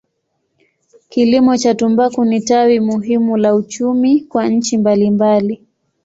Kilimo cha tumbaku ni tawi muhimu la uchumi kwa nchi mbalimbali.